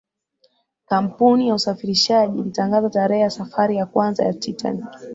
kampuni ya usafirishaji ilitangaza tarehe ya safari ya kwanza ya titanic